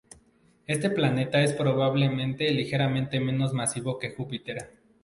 Este planeta es probablemente ligeramente menos masivo que Júpiter.